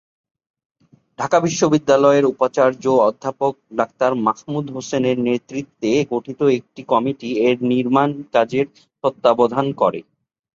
ঢাকা বিশ্ববিদ্যালয়ের উপাচার্য অধ্যাপক ডাক্তার মাহমুদ হোসেনের নেতৃত্বে গঠিত একটি কমিটি এর নির্মাণ কাজের তত্ত্বাবধান করে।